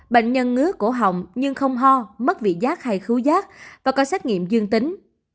bệnh nhân ngứa cổ họng nhưng không ho mất vị giác hay khứu rác và có xét nghiệm dương tính